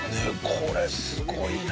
これすごいな！